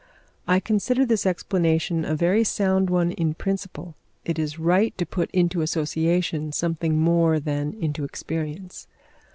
I consider this explanation a very sound one in principle. It is right to put into association something more than into experience.